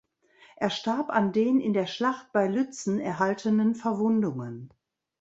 Er starb an den in der Schlacht bei Lützen erhaltenen Verwundungen.